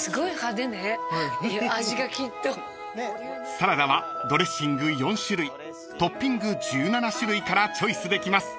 ［サラダはドレッシング４種類トッピング１７種類からチョイスできます］